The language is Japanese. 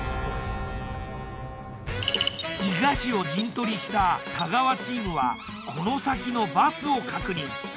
伊賀市を陣取りした太川チームはこの先のバスを確認。